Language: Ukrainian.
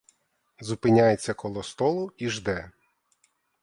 Зупиняється коло столу і жде.